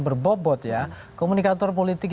berbobot ya komunikator politik